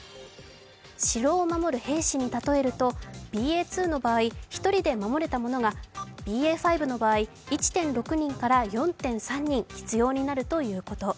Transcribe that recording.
城を守る兵士に例えるとＢＡ．２の場合１人で守れたものがＢＡ．５の場合、１．６人から４．３人必要になるということ。